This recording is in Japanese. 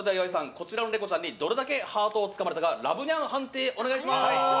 こちらのネコちゃんにどれだけハートをつかまれたかラブニャン判定お願いします。